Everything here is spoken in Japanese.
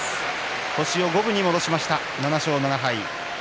星を五分に戻しました、７勝７敗。